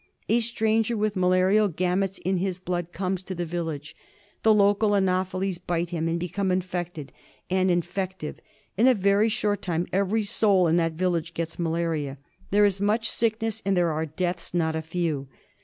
A stranger with malarial gametes in his blood comes to the village. The local anopheles bite him and become infected and infec tive. In a very short time every soul in that village gets malaria. There is much sickness, and there are deaths not a few.